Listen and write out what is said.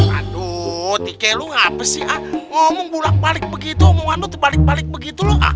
aduh tike lo ngapes sih ha ngomong bulak balik begitu omongan lo terbalik balik begitu lo